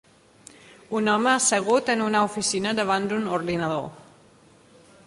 Un home assegut en una oficina davant d'un ordinador.